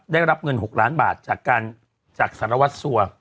ได้รับเงิน๖ล้านบาทจากการจากสารวัตรสัว